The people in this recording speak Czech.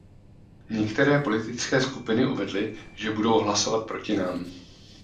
Některé politické skupiny uvedly, že budou hlasovat proti nám.